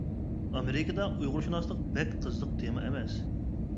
ئامېرىكىدا ئۇيغۇرشۇناسلىق بەك قىزىق تېما ئەمەس.